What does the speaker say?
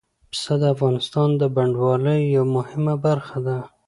پسه د افغانستان د بڼوالۍ یوه مهمه برخه ده.